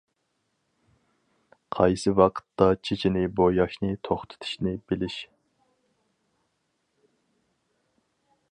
قايسى ۋاقىتتا چېچىنى بوياشنى توختىتىشنى بىلىش.